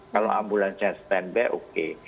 kalau ambulansnya standby oke